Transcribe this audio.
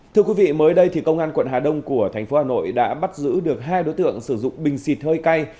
thưa quý vị mới đây thì công an quận hà đông của thành phố hà nội đã bắt giữ được hai đối tượng sử dụng bình xịt hơi cay